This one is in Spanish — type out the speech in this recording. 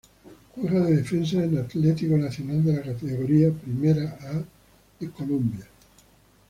Juega de Defensa en Atletico nacional de la Categoría Primera A de Colombia.